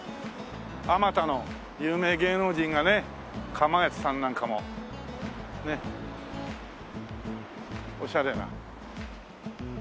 あまたの有名芸能人がねかまやつさんなんかもね。おしゃれな。